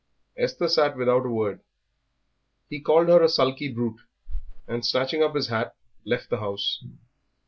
Esther sat without a word. He called her a sulky brute, and, snatching up his hat, left the house.